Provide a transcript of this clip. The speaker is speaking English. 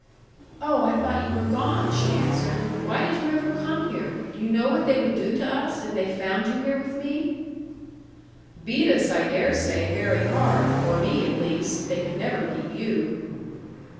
'Oh, I thought you were gone,' she answered; 'why did you ever come here? Do you know what they would do to us, if they found you here with me?' 'Beat us, I dare say, very hard; or me, at least. They could never beat you.'